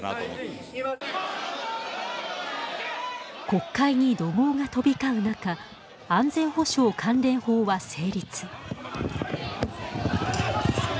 国会に怒号が飛び交う中安全保障関連法は成立。